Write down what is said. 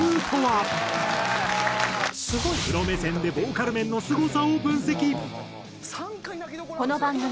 プロ目線でボーカル面のすごさを分析。